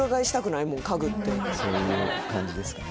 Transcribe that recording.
そういう感じですかね